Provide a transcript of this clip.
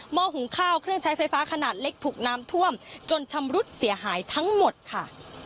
ห้อหุงข้าวเครื่องใช้ไฟฟ้าขนาดเล็กถูกน้ำท่วมจนชำรุดเสียหายทั้งหมดค่ะ